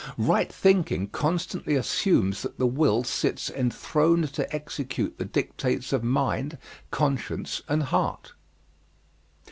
Right thinking constantly assumes that the will sits enthroned to execute the dictates of mind, conscience and heart.